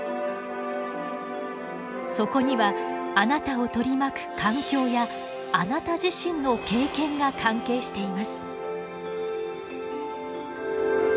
そこにはあなたを取り巻く環境やあなた自身の経験が関係しています。